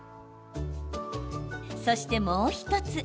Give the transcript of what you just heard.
そして、もう１つ。